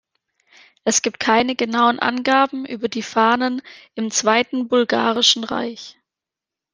Es gibt keine genauen Angaben über die Fahnen im zweiten Bulgarischen Reich.